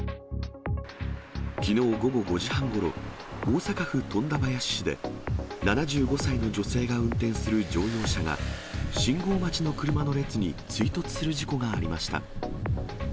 きのう午後５時半ごろ、大阪府富田林市で、７５歳の女性が運転する乗用車が、信号待ちの車の列に追突する事故がありました。